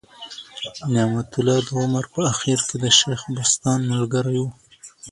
نعمت الله د عمر په آخر کي د شېخ بستان ملګری ؤ.